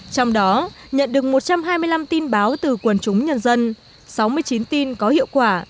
trong đó nhận được một trăm hai mươi năm tin báo từ quần chúng nhân dân sáu mươi chín tin có hiệu quả